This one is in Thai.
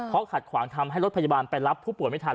เพราะขัดขวางทำให้รถพยาบาลไปรับผู้ป่วยไม่ทัน